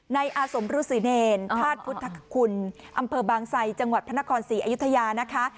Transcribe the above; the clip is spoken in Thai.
อาสมรุษีเนรธาตุพุทธคุณอำเภอบางไซจังหวัดพระนครศรีอยุธยานะคะ